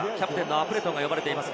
アプレトンが呼ばれています。